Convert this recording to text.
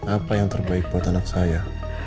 apa yang terbaik buat anak saya